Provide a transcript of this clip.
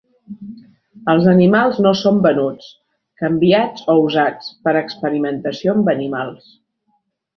Els animals no són venuts, canviats o usats per a experimentació amb animals.